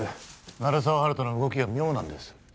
鳴沢温人の動きが妙なんです